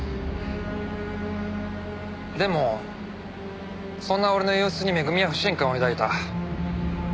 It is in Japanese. でもそんな俺の様子に恵美は不信感を抱いた。